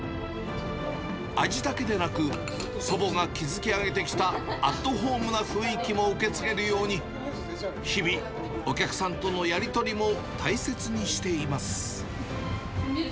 味だけでなく、祖母が築き上げてきたアットホームな雰囲気も受け継げるように、日々、お客さんとのやり取りも大切にしています。